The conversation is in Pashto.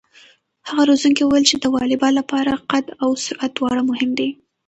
هغه روزونکی وویل چې د واليبال لپاره قد او سرعت دواړه مهم دي.